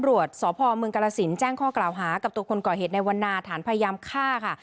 ตำรวจสพเมืองกรสินแจ้งข้อกล่าวหากับตัวคนก่อเหตุในวันนาฐานพยายามฆ่าค่ะ